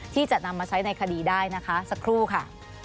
ที่จะนำมาใช้ในคดีได้นะคะสักครู่ค่ะ